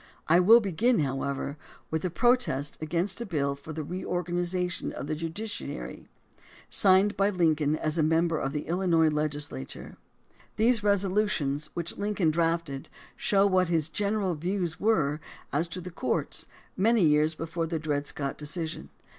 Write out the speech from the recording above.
I will begin, however, with a protest against a bill for the reorganization of the judiciary, signed by Lincoln as a member of the II 142 THE DEMOCRACY OF ABRAHAM LINCOLN linois Legislature. These resolutions, which Lincoln drafted/ show what his general views were as to the courts many years before the Dred Scott decision.